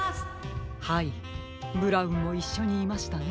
はいブラウンもいっしょにいましたね。